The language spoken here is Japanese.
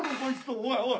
おいおい。